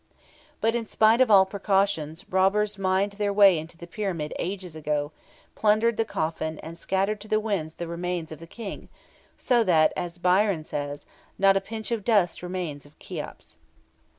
But, in spite of all precautions, robbers mined their way into the Pyramid ages ago, plundered the coffin, and scattered to the winds the remains of the King, so that, as Byron says, "Not a pinch of dust remains of Cheops."